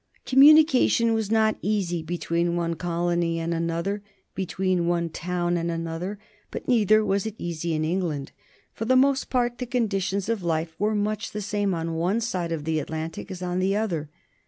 Communication was not easy between one colony and another, between one town and another. But neither was it easy in England. For the most part the conditions of life were much the same on one side of the Atlantic as on the other.